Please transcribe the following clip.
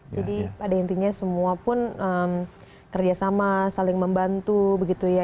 jadi pada intinya semua pun kerjasama saling membantu begitu ya